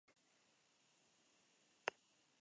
La fachada se encuentra en el muro sur, bajo un soportal.